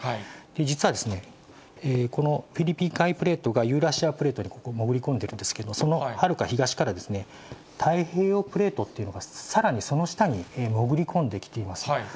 実はですね、このフィリピン海プレートがユーラシアプレートに、ここ、潜り込んでるんですけど、そのはるか東からですね、太平洋プレートっていうのが、さらにその下に潜り込んできています。